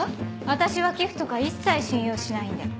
私は寄付とか一切信用しないんで。